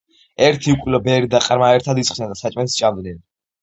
ერთი უკბილო ბერი და ყრმა ერთად ისხდენ და საჭმელს სჭამდნენ.